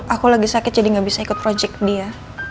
aku lagi sakit jadi gak bisa ikut project dia